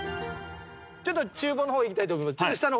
ちょっと厨房の方へ行きたいと思います。